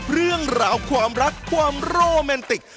เรื่องราวความรักความโรแมนติก